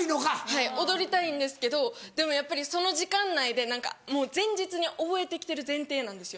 はい踊りたいんですけどでもやっぱりその時間内でもう前日に覚えてきてる前提なんですよ